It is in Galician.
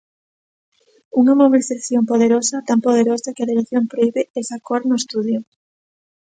Unha mobilización poderosa; tan poderosa que a dirección prohibe esa cor no estudio.